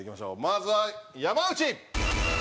まずは山内！